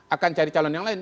akan cari calon yang lain